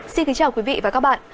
xin kính chào quý vị và các bạn